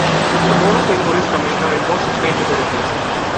The Borno State Police Commissioner imposed a state of emergency.